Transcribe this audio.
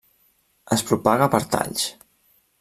Es propaga per talls.